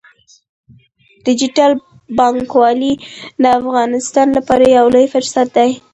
ډیجیټل بانکوالي د افغانستان لپاره یو لوی فرصت دی۔